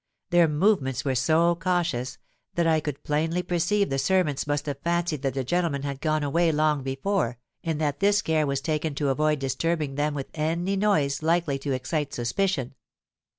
Their movements were so cautious, that I could plainly perceive the servants must have fancied that the gentleman had gone away long before, and that this care was taken to avoid disturbing them with any noise likely to excite suspicion.